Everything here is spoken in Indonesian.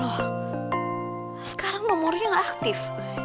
loh sekarang nomornya gak aktif